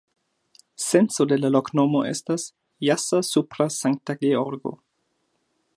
Senco de la loknomo estas: jasa-supra-Sankta-Georgo.